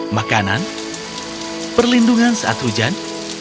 makanan perlindungan saat hujan